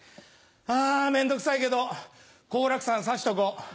あ面倒くさいけど好楽さん刺しとこう。